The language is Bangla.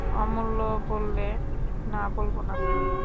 অমূল্য বললে, না, বলব না।